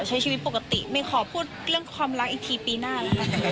ใช้ชีวิตปกติไม่ขอพูดเรื่องความรักอีกทีปีหน้าแล้วนะคะ